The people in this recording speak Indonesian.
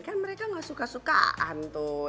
kan mereka gak suka sukaan tuh